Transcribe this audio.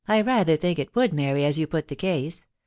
1 rather think it would, Mary, as you put the case.